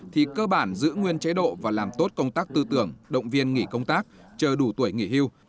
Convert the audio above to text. thì cơ bản giữ nguyên chế độ và làm tốt công tác tư tưởng động viên nghỉ công tác chờ đủ tuổi nghỉ hưu